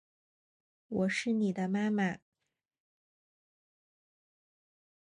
我是妳的妈妈